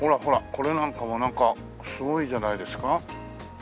これなんかもなんかすごいじゃないですか。